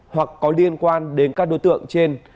hoặc có liên quan đến các đối tượng trên